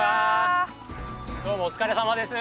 どうもお疲れさまです。